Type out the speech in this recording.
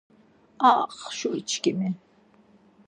Ax şuriçkimi.